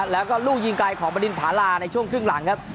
แล้วก็ลูกยิงไกลของบดินผาลาในช่วงครึ่งหลังครับ